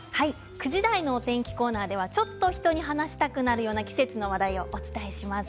９時台のお天気コーナーではちょっと人に話したくなるような季節の話題をお伝えします。